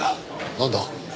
なんだ？